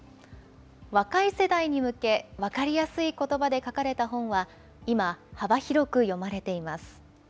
若い世代に向け、分かりやすいことばで書かれた本は今、幅広く読まれています。